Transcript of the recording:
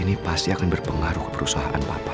ini pasti akan berpengaruh ke perusahaan papa